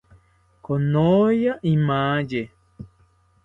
Konoya imaye